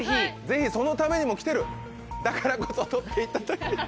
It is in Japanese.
ぜひそのためにも来てるだからこそ取っていただき。